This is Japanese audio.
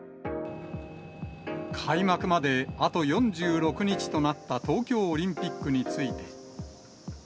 開幕まであと４６日となった東京オリンピックについて。